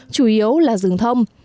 chủ yếu là rừng thông